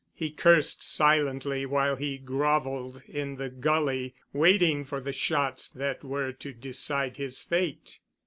He cursed silently while he groveled in the gully waiting for the shots that were to decide his fate.